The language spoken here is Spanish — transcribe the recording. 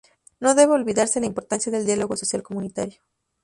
No debe olvidarse la importancia del diálogo social comunitario.